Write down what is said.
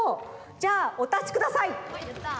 じゃあおたちください！